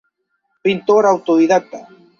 Pintor autodidacta.